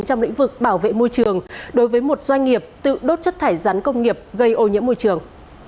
trong lĩnh vực bảo vệ môi trường đối với một doanh nghiệp tự đốt chất thải rắn công nghiệp gây ô nhiễm môi trường